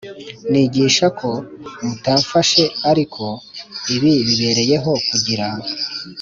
Nigisha ko mutamfashe ariko ibi bibereyeho kugira